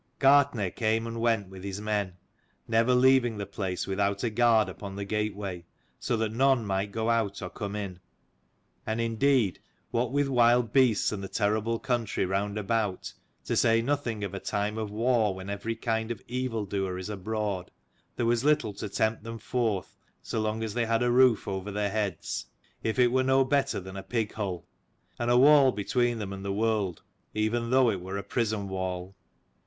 Gartnaidh came and went with his men, never leaving the place without a guard upon the gateway, so that none might go out or come in. And indeed, what with wild beasts and the terrible country round about, to say nothing of a time of war when every kind of evil doer is abroad, there was little to tempt them forth, so long as they had a roof over their heads, if it were no better than a pighull; and a wall between them and the world, even though it were a prison wall.